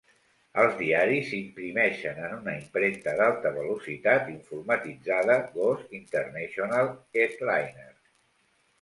Els diaris s'imprimeixen en una impremta d'alta velocitat informatitzada Goss International Headliner.